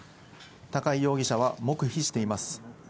高井容疑者は黙秘しています。